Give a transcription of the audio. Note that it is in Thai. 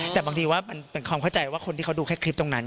แต่บางทีว่ามันเป็นความเข้าใจว่าคนที่เขาดูแค่คลิปตรงนั้น